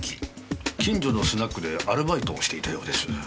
近所のスナックでアルバイトをしていたようです。